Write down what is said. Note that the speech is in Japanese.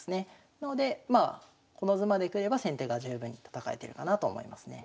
なのでまあこの図までくれば先手が十分に戦えてるかなと思いますね。